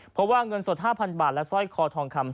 เพราะว่าเงินสด๕๐๐บาทและสร้อยคอทองคำ